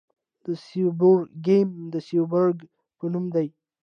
د سیبورګیم د سیبورګ په نوم دی.